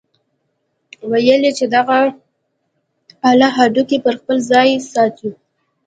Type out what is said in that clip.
ويل يې چې دغه اله هډوکي پر خپل ځاى ساتي.